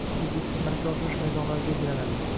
uzluksiz malaka oshirish mezonnlari belgilanadi.